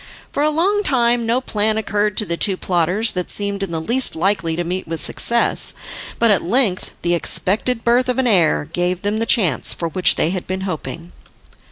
For a long time no plan occurred to the two plotters that seemed in the least likely to meet with success, but at length the expected birth of an heir gave them the chance for which they had been hoping.